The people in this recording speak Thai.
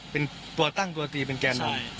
เป็นตัวตั้งตัวตีเป็นแก่นำ